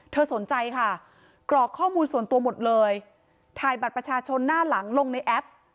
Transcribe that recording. สนใจค่ะกรอกข้อมูลส่วนตัวหมดเลยถ่ายบัตรประชาชนหน้าหลังลงในแอป